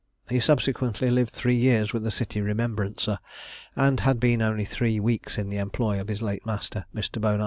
He subsequently lived three years with the city remembrancer, and had been only three weeks in the employ of his late master, Mr. Bonar.